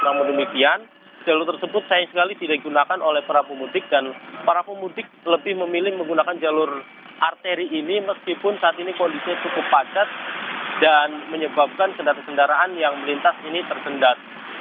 namun demikian jalur tersebut sayang sekali tidak digunakan oleh para pemudik dan para pemudik lebih memilih menggunakan jalur arteri ini meskipun saat ini kondisi cukup padat dan menyebabkan kendaraan kendaraan yang melintas ini tersendat